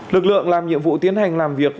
lực lượng làm nhiệm vụ tiến hành làm việc